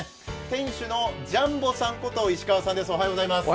店主のジャンボさんこと石川さんです。